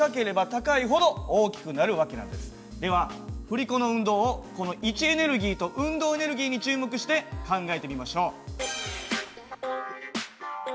つまりでは振り子の運動をこの位置エネルギーと運動エネルギーに注目して考えてみましょう。